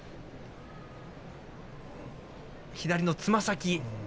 左のつま先。